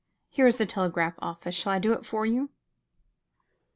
"Here is the telegraph office. Shall I do it for you?"